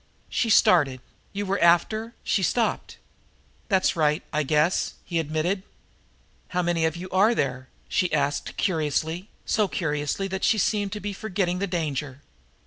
She started. "You were after " She stopped. "That's right, I guess," he admitted. "How many of you are there?" she asked curiously, so curiously that she seemed to be forgetting the danger.